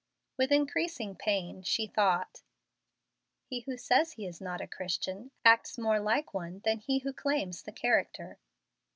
With increasing pain she thought, "He who says he is not a Christian acts more like one than he who claims the character."